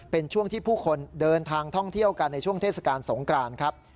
เป็นช่วงที่ผู้คนเดินทางท่องเที่ยวกันในช่วงเทศกาลสงกรานครับ